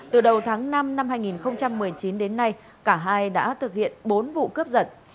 từ đầu tháng năm năm hai nghìn một mươi chín đến nay cả hai đã thực hiện bốn vụ cướp sợi tài sản